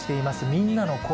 みんなの声。